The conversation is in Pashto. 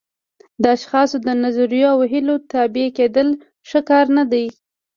د اشخاصو د نظریو او هیلو تابع کېدل ښه کار نه دی.